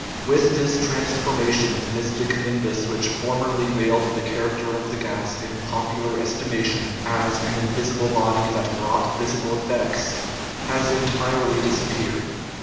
With 200 THE IMMORTALITY OF THE SOUL this transformation the mystic nimbus which formerly veiled the character of the gas in popular estimation as an invisible body that wrought visible effects has entirely disappeared.